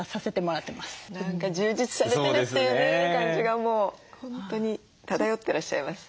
何か充実されてるっていうね感じがもう本当に漂ってらっしゃいます。